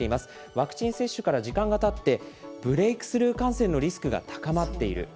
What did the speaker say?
ワクチン接種から時間がたって、ブレイクスルー感染のリスクが高まっている。